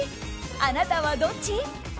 あなたはどっち？